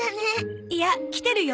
いや来てるよ。